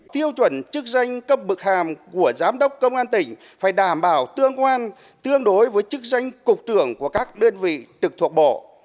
tiêu chuẩn chức danh cấp bực hàm của giám đốc công an tỉnh phải đảm bảo tương quan tương đối với chức danh cục trưởng của các đơn vị trực thuộc bộ